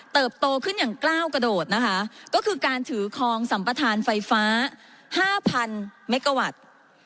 โตขึ้นอย่างกล้าวกระโดดนะคะก็คือการถือคลองสัมประธานไฟฟ้า๕๐๐เมกาวัตต์